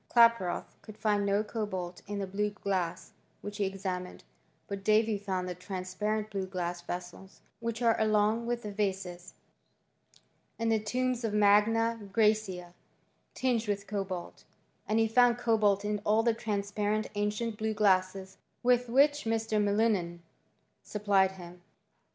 Klaproth could find no cobalt in the blue glasi^ which he examined ; but Davy found the transparent blue glass vessels, which are along with the vases, in the tombs of Magna Graecia, tinged with cobalt ; and he found cobalt in all the transparent ancient blue glasses with which Mr, Millingen supplied him.